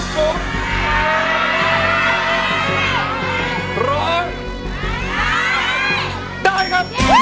คุณกุ๋ม